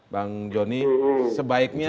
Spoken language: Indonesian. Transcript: bang jonny sebaiknya